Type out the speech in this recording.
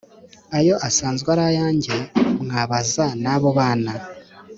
Aya asanzwe arayanjye mwabaza nabo bana.